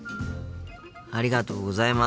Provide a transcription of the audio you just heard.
ありがとうございます。